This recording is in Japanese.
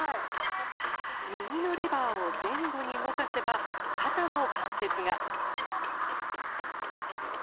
右のレバーを前後に動かせば肩の関節が。